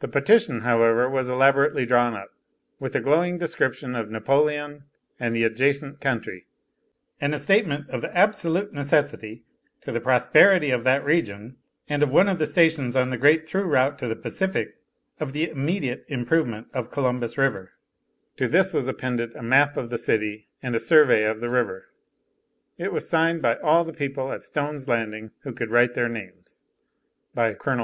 The petition however was elaborately drawn up, with a glowing description of Napoleon and the adjacent country, and a statement of the absolute necessity to the prosperity of that region and of one of the stations on the great through route to the Pacific, of the immediate improvement of Columbus River; to this was appended a map of the city and a survey of the river. It was signed by all the people at Stone's Landing who could write their names, by Col.